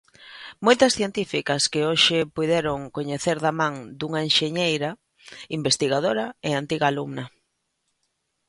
Moitas científicas que hoxe puideron coñecer da man dunha enxeñeira, investigadora e antiga alumna.